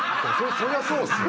そりゃそうっすよ。